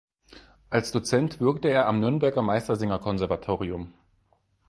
Als Dozent wirkte er am Nürnberger Meistersinger-Konservatorium.